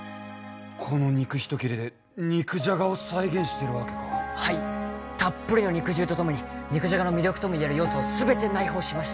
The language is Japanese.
この肉ひと切れで肉じゃがを再現してるわけかはいたっぷりの肉汁とともに肉じゃがの魅力ともいえる要素を全て内包しました